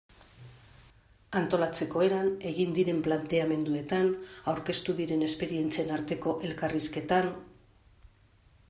Antolatzeko eran, egin diren planteamenduetan, aurkeztu diren esperientzien arteko elkarrizketan...